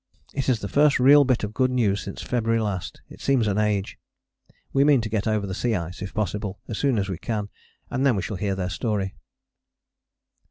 It is the first real bit of good news since February last it seems an age. We mean to get over the sea ice, if possible, as soon as we can, and then we shall hear their story.